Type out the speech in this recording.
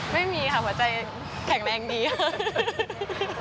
ไม่มีค่ะหัวใจแข็งแรงดีค่ะ